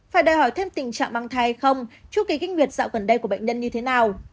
phải đòi hỏi thêm tình trạng mang thai hay không chú ký kinh việt dạo gần đây của bệnh nhân như thế nào